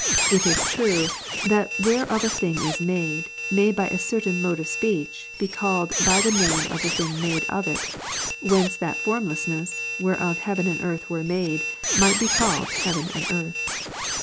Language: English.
It is true, that that whereof a thing is made, may by a certain mode of speech, be called by the name of the thing made of it ; whence that formlessness, whereof heaven and earth were made, might be called heaven and earth.